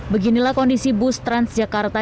beginilah kondisi bus transjakarta